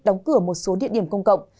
đóng cửa một số địa điểm công cộng